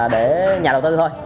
để nhà đầu tư thôi